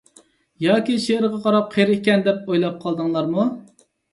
ياكى شېئىرغا قاراپ قېرى ئىكەن دەپ ئويلاپ قالدىڭلارمۇ؟